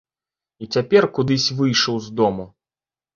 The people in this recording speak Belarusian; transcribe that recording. І цяпер кудысь выйшаў з дому.